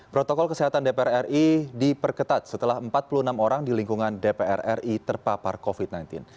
protokol kesehatan dpr ri diperketat setelah empat puluh enam orang di lingkungan dpr ri terpapar covid sembilan belas